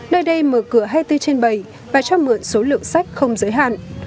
nơi đây mở cửa hai mươi bốn trên bảy và cho mượn số lượng sách không giới hạn